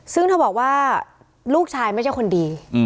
ซึ่งเธอบอกว่าลูกชายไม่ใช่คนดี